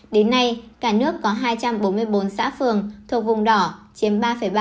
đến nay cả nước có hai trăm bốn mươi bốn xã phường thuộc vùng đỏ chiếm ba ba